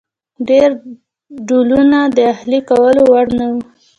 ډېر ډولونه د اهلي کولو وړ نه وو.